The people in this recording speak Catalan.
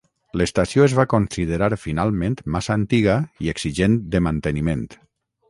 L'estació es va considerar finalment massa antiga i exigent de manteniment.